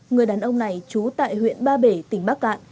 người đàn ông này trú tại huyện ba bể tỉnh bắc cạn